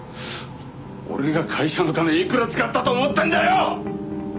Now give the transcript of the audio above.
俺が会社の金いくら使ったと思ってんだよ！